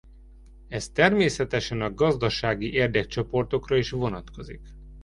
Ez természetesen a gazdasági érdekcsoportokra is vonatkozik.